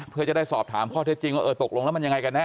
เพื่อจะได้สอบถามข้อเท็จจริงว่าเออตกลงแล้วมันยังไงกันแน